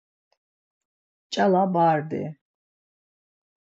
Nçala bardi.